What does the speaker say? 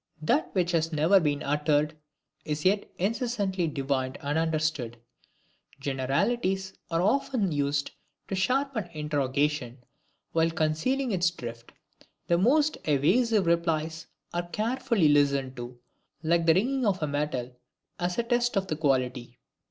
That which has never been uttered, is yet incessantly divined and understood. Generalities are often used to sharpen interrogation, while concealing its drift; the most evasive replies are carefully listened to, like the ringing of metal, as a test of the quality.